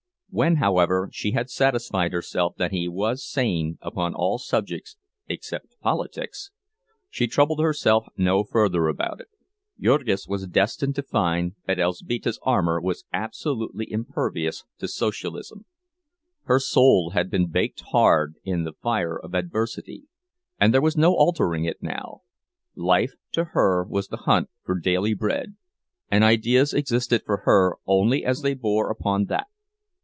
When, however, she had satisfied herself that he was sane upon all subjects except politics, she troubled herself no further about it. Jurgis was destined to find that Elzbieta's armor was absolutely impervious to Socialism. Her soul had been baked hard in the fire of adversity, and there was no altering it now; life to her was the hunt for daily bread, and ideas existed for her only as they bore upon that.